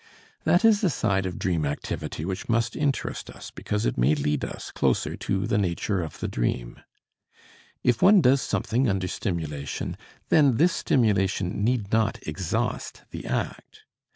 That is a side of dream activity which must interest us because it may lead us closer to the nature of the dream. If one does something under stimulation, then this stimulation need not exhaust the act.